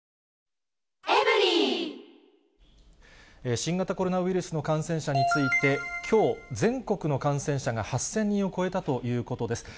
新型コロナウイルスの感染者について、きょう、全国の感染者が８０００人を超えたということです。